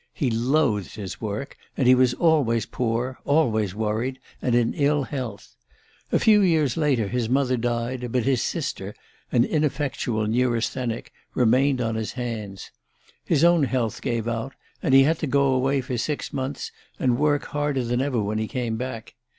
He loathed his work, and he was always poor, always worried and in ill health. A few years later his mother died, but his sister, an ineffectual neurasthenic, remained on his hands. His own health gave out, and he had to go away for six months, and work harder than ever when he came back.